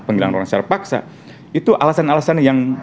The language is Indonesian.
penghilang orang secara paksa itu alasan alasan